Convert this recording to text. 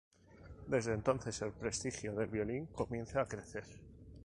Desde entonces el prestigio del violín comienza a crecer.